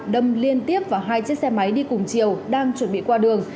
đâm liên tiếp vào hai chiếc xe máy đi cùng chiều đang chuẩn bị qua đường